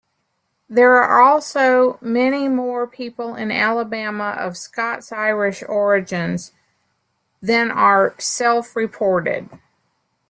There are also many more people in Alabama of Scots-Irish origins than are self-reported.